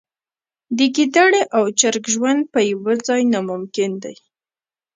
د ګیدړې او چرګ ژوند په یوه ځای ناممکن دی.